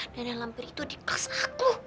dan yang lampir itu di pas aku